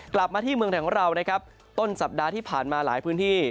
กลับมาที่เมืองไทยของเรานะครับต้นสัปดาห์ที่ผ่านมาหลายพื้นที่